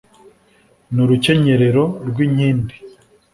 ni urukenyerero rw’inkindi,